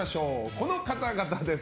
この方々です。